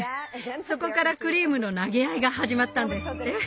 そこからクリームの投げ合いが始まったんですって。